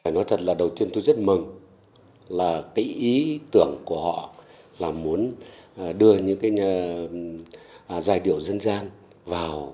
nói thật là đầu tiên tôi rất mừng là cái ý tưởng của họ là muốn đưa những giai điệu dân gian vào